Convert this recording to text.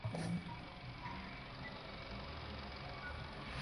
Su forma es la de una cuña.